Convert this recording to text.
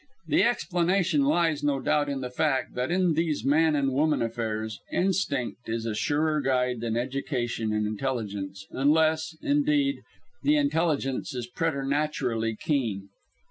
The explanation lies no doubt in the fact that in these man and woman affairs instinct is a surer guide than education and intelligence, unless, indeed, the intelligence is preternaturally keen.